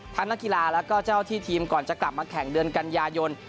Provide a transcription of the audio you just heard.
นักกีฬาแล้วก็เจ้าที่ทีมก่อนจะกลับมาแข่งเดือนกันยายน